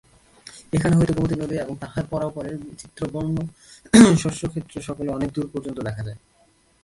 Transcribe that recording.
এখান হইতে গোমতী নদী এবং তাহার পরপারের বিচিত্রবর্ণ শস্যক্ষেত্রসকল অনেক দূর পর্যন্ত দেখা যায়।